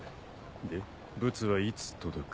でブツはいつ届く？